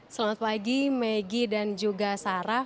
selamat pagi maggie dan juga sarah